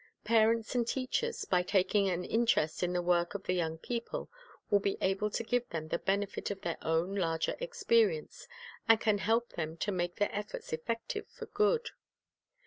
Parents and teachers, by taking an interest in the work of the young people, will be able to give them the benefit of their own larger experience, and can help them to make their efforts effective for good.